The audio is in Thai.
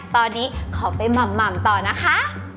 ตอนนี้ขอไปหม่ำต่อนะคะ